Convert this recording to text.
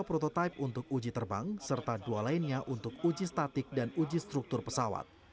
dua prototipe untuk uji terbang serta dua lainnya untuk uji statik dan uji struktur pesawat